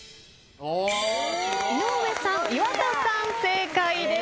井上さん岩田さん正解です。